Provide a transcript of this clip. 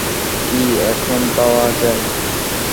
কি এখন পাওয়া যায়?